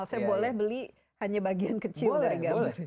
saya boleh beli hanya bagian kecil dari gambar